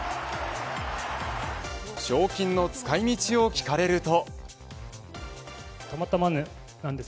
賞金の使い道を聞かれると。